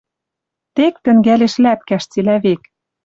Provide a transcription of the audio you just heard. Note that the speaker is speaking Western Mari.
Тек тӹнгӓлеш ляпкӓш цилӓ век: